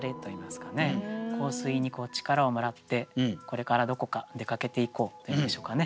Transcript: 香水に力をもらってこれからどこか出かけていこうというんでしょうかね